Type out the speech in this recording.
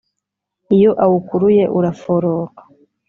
iyo awukuruye uraforoka